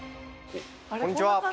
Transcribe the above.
こんにちは。